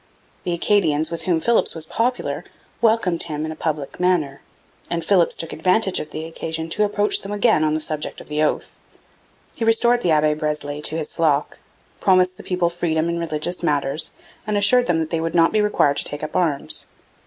The Acadians, with whom Philipps was popular, welcomed him in a public manner; and Philipps took advantage of the occasion to approach them again on the subject of the oath. He restored the Abbe Breslay to his flock, promised the people freedom in religious matters, and assured them that they would not be required to take up arms.